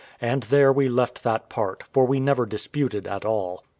And there we left that part; for we never disputed at all.